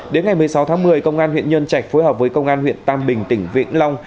đến ngày một mươi sáu tháng một mươi công an huyện nhân trạch phối hợp với công an huyện tam bình tỉnh vĩnh long